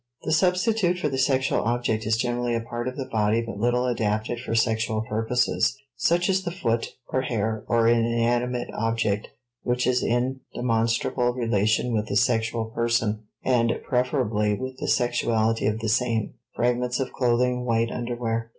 The substitute for the sexual object is generally a part of the body but little adapted for sexual purposes, such as the foot, or hair, or an inanimate object which is in demonstrable relation with the sexual person, and preferably with the sexuality of the same (fragments of clothing, white underwear).